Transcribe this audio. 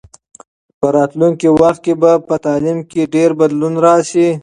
په راتلونکي وخت کې به په تعلیم کې ډېر بدلون راسي.